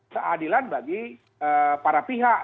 seadilan bagi para pihak